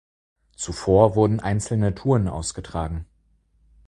Zuvor wurden einzelne Touren ausgetragen.